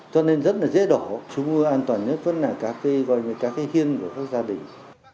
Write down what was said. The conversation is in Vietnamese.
cho nên rất là dễ đổ chúng an toàn nhất vẫn là các cái hiên của các gia đình